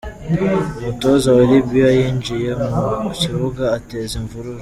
Umutoza wa Libya yinjiye mu kibuga ateza imvurure.